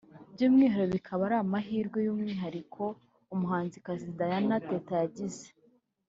by’umwihariko bikaba ari amahirwe y’umwihariko umuhanzikazi Diana Teta yagize